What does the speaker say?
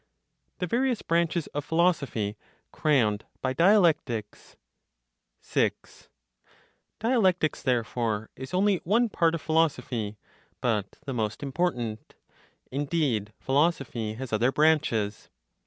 THE VARIOUS BRANCHES OF PHILOSOPHY CROWNED BY DIALECTICS. 6. Dialectics, therefore, is only one part of philosophy, but the most important. Indeed, philosophy has other branches.